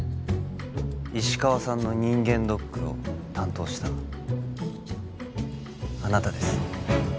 石川さんの人間ドックを担当したあなたです